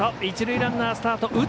一塁ランナー、スタート。